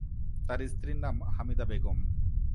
তার স্ত্রীর নাম হামিদা বেগম।